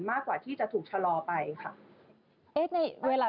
มากกว่าที่จะถูกชะลอไปค่ะ